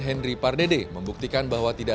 henry pardede membuktikan bahwa tidak